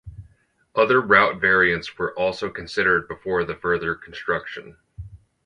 Other route variants were also considered before the further construction.